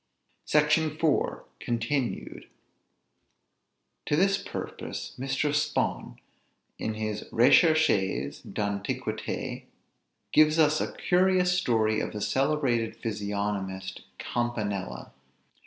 SECTION IV. CONTINUED. To this purpose Mr. Spon, in his "Récherches d'Antiquité," gives us a curious story of the celebrated physiognomist Campanella.